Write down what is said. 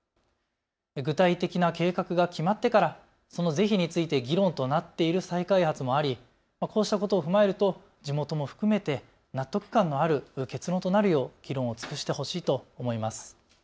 具体的な計画が決まってからその是非について議論となっている再開発もありこうしたことを踏まえると地元も含めて納得感のある結論となるよう議論を尽くしてほしいと思います。